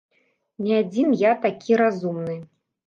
Не адзін я такі разумны.